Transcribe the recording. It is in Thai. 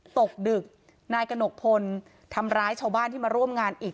ตกดึกนายกระหนกพลทำร้ายชาวบ้านที่มาร่วมงานอีก